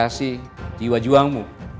dan kasih jiwa juangmu